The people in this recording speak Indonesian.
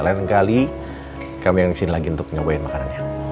lain kali kami yang kesini lagi untuk nyobain makanannya